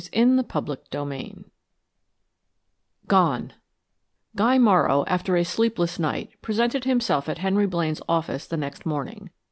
CHAPTER IX GONE! Guy Morrow, after a sleepless night, presented himself at Henry Blaine's office the next morning.